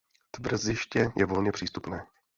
Tvrziště je volně přístupné.